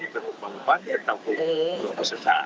tentu panggupannya tetap belum besar